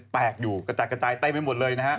แตกอยู่กระจายไต้ไปหมดเลย